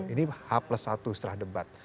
ini h plus satu setelah debat